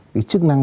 cái chức năng